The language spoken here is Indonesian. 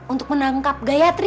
untuk menangkap gayatri